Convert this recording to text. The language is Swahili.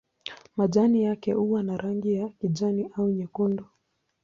Majani yake huwa na rangi ya kijani au nyekundu.